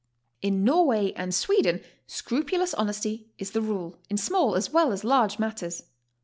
In Norway and Sweden scrupulous honesty is the rule, in small as well as large matters.